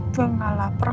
gue gak lapar kok